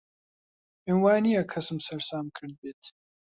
پێم وا نییە کەسم سەرسام کردبێت.